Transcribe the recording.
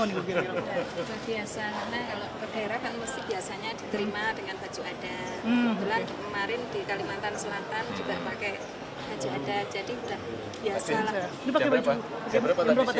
biasa karena kalau berdaerah kan biasanya diterima dengan baju adat